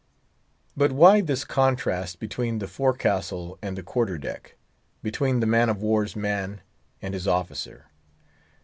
But why this contrast between the forecastle and the quarter deck, between the man of war's man and his officer?